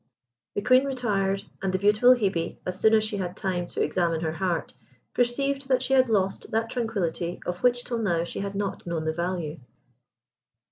The Queen retired, and the beautiful Hebe, as soon as she had time to examine her heart, perceived that she had lost that tranquillity of which, till now, she had not known the value.